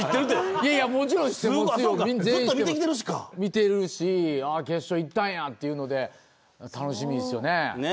いやいや、もちろん知ってるし、見てるし、決勝行ったんやというので、楽しみですよね。